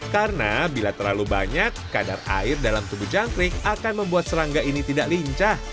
karena bila terlalu banyak kadar air dalam tubuh jangkrik akan membuat serangga ini tidak lincah